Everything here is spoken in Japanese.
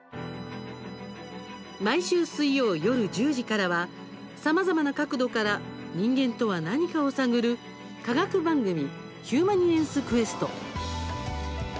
毎週水曜夜１０時からはさまざまな角度から人間とは何かを探る科学番組「ヒューマニエンスＱ」。